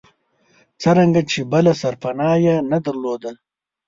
څرنګه چې بله سرپناه یې نه درلوده.